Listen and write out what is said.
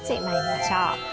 まいりましょう。